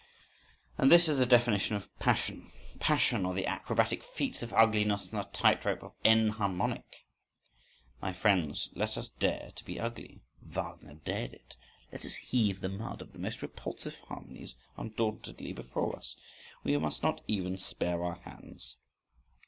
… And this is the definition of passion. Passion—or the acrobatic feats of ugliness on the tight rope of enharmonic—My friends, let us dare to be ugly! Wagner dared it! Let us heave the mud of the most repulsive harmonies undauntedly before us. We must not even spare our hands!